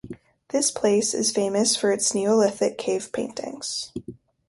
This place is famous for its neolithic cave paintings.